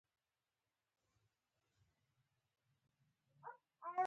مرغۍ مې داسې سندرې وايي لکه په کوم لوی کنسرت کې چې وي.